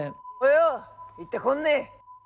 およ行ってこんね。